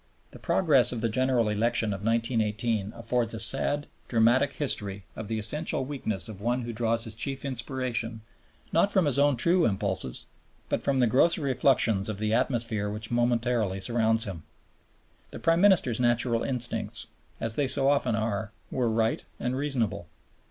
The progress of the General Election of 1918 affords a sad, dramatic history of the essential weakness of one who draws his chief inspiration not from his own true impulses, but from the grosser effluxions of the atmosphere which momentarily surrounds him. The Prime Minister's natural instincts, as they so often are, were right and reasonable.